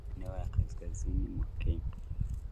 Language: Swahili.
maeneo ya kaskazini mwa Kenya